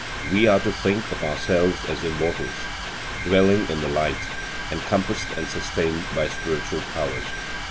We are to think of ourselves as immortals, dwelling in the Light, encompassed and sustained by spiritual powers.